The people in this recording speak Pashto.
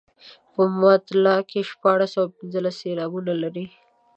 په مطلع کې شپاړس او پنځلس سېلابونه لري.